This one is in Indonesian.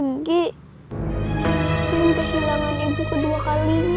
enggak bakalan ada yang ninggalin kamu yuk